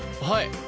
はい！